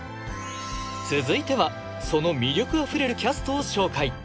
続いてはその魅力あふれるキャストを紹介！